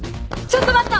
ちょっと待った！